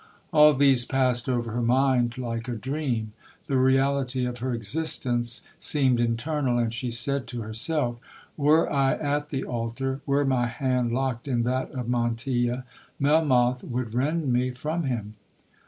All these passed over her mind like a dream—the reality of her existence seemed internal, and she said to herself,—'Were I at the altar, were my hand locked in that of Montilla, Melmoth would rend me from him.'